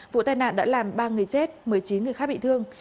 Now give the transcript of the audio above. vụ tai nạn đã làm ba người chết một mươi chín người khác bị thương